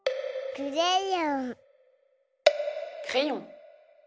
クレヨン。